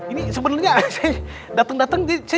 ini sebenernya seh mandy ya